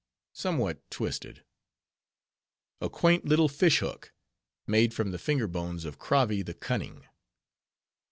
(Somewhat twisted). A quaint little Fish hook. (Made from the finger bones of Kravi the Cunning).